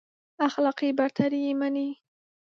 اخلاقي برتري يې مني.